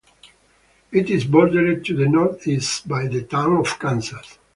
It is bordered to the northeast by the town of Kansas.